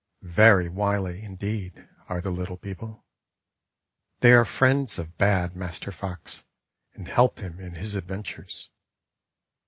Very wily, indeed, are the Little People. They are friends of bad Master Fox, and help him in his ad ventures.